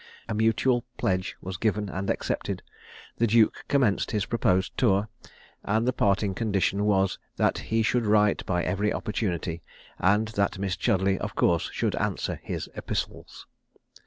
A mutual pledge was given and accepted; the duke commenced his proposed tour; and the parting condition was, that he should write by every opportunity, and that Miss Chudleigh of course should answer his epistles.